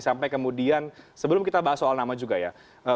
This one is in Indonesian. sampai kemudian sebelum kita bahas soal nama juga ya